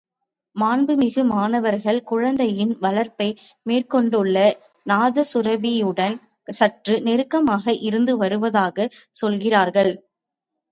மாண்புமிகு மன்னவர்கள் குழந்தையின் வளர்ப்பை மேற்கொண்டுள்ள நாதசுரபியுடன் சற்று நெருக்கமாக இருந்து வருவதாகச் சொல்கிறீர்கள்.